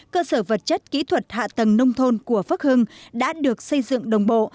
cơ sở vật chất kỹ thuật hạ tầng nông thôn của phước hưng đã được xây dựng đồng bộ